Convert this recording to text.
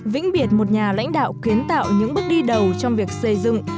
vĩnh biệt một nhà lãnh đạo kiến tạo những bước đi đầu trong việc xây dựng